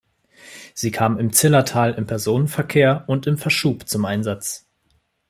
Sie kam im Zillertal im Personenverkehr und im Verschub zum Einsatz.